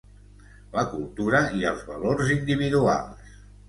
la cultura i els valors individuals